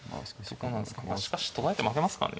しかし取られて負けますかね。